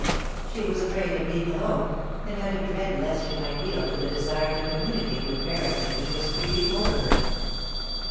She was afraid of being alone, and had a dread lest she might yield to [he desire to communicate with Barrington which n'as creeping over her.